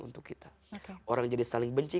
untuk kita orang jadi saling benci